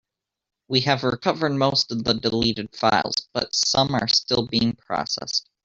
We have recovered most of the deleted files, but some are still being processed.